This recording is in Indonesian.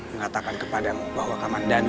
mengatakan kepada kamu bahwa kamandan